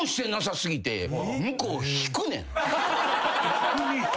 逆に。